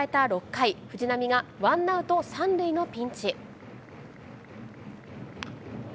６回、藤浪がワンアウト３塁のピンチ。